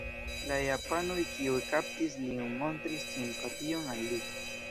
La japanoj kiuj kaptis lin montris simpation al li.